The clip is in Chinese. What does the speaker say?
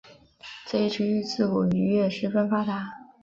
这一区域自古渔业十分发达。